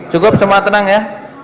cukup semua tenang ya